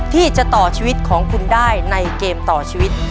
ที่จะต่อชีวิตของคุณได้ในเกมต่อชีวิต